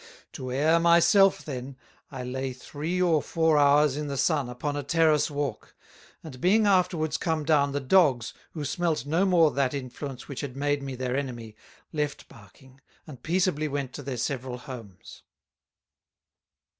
To Air myself then, I lay three or four hours in the Sun, upon a Terrass walk; and being afterwards come down, the Dogs, who smelt no more that influence which had made me their Enemy, left barking, and peaceably went to their several homes.